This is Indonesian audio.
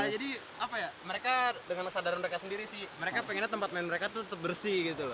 jadi mereka dengan kesadaran mereka sendiri sih mereka pengennya tempat main mereka tetap bersih